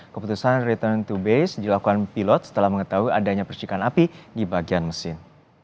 keputusan return to base dilakukan pilot setelah mengetahui adanya percikan api di bagian mesin